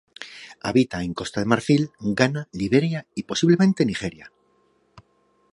Habita en Costa de Marfil, Ghana, Liberia y posiblemente Nigeria.